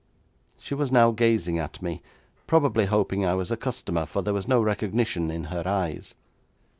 She was now gazing at me, probably hoping I was a customer, for there was no recognition in her eyes.